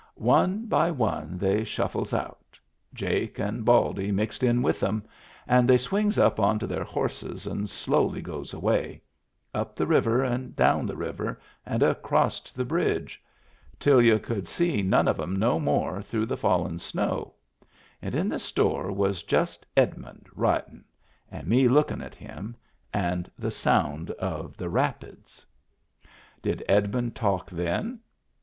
One by one they shuffles out, Jake and Baldy mixed in with them, and they swings up on to their horses and slowly goes away — up the river and down the river and acrost the bridge — till y'u could see none of 'em no more through the fallin' snow; and in the store was just Edmund writin', and me lookin' at him, and the sound of the rapids. Did Edmund talk then